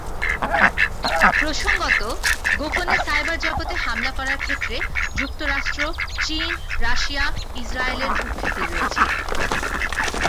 প্রসঙ্গত, গোপনে সাইবার জগতে হামলা করার ক্ষেত্রে যুক্তরাষ্ট্র, চীন, রাশিয়া, ইসরায়েলের কুখ্যাতি রয়েছে।